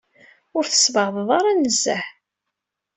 Ur tessbeɛdeḍ ara nezzeh.